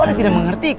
ali tidak mengerti kak